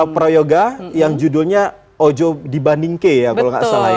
farel prayoga yang judulnya ojo dibandingke ya kalau tidak salah